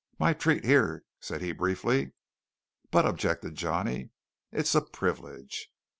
"My treat here," said he briefly. "But ?" objected Johnny. "It's a privilege."